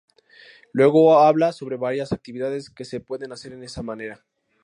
Luego habla sobre varias actividades que se pueden hacer de esa manera.